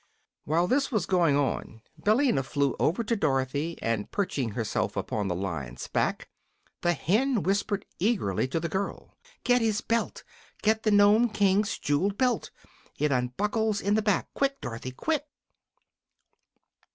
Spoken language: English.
While this was going on, Billina flew over to Dorothy, and perching herself upon the Lion's back the hen whispered eagerly to the girl: "Get his belt! Get the Nome King's jeweled belt! It unbuckles in the back. Quick, Dorothy quick!"